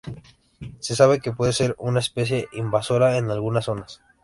Se sabe que puede ser una especie invasora en algunas zonas.